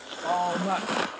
うまい